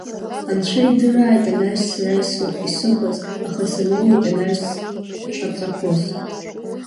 Анцәа идырааит анаҩс сара исыхәаз, аха сырмоуит анаҩс ҿаҵахәыс.